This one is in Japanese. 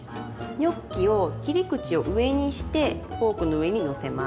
ニョッキを切り口を上にしてフォークの上にのせます。